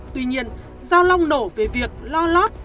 tuy nhiên do long nổ về việc lo lót